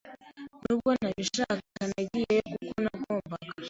Nubwo ntabishaka, nagiyeyo kuko nagombaga.